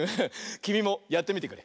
きみもやってみてくれ。